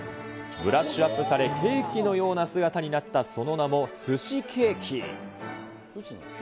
ブラッシュアップされ、ケーキのような姿になったその名もすしケーキ。